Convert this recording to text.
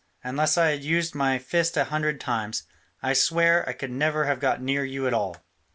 unless I had used my fists a hundred times, I swear I could never have got near you at all.